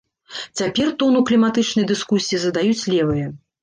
Цяпер тон у кліматычнай дыскусіі задаюць левыя.